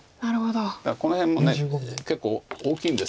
だからこの辺も結構大きいんです。